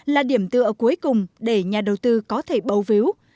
là điểm tựa cuối cùng để nhà đầu tư có thể bầu víu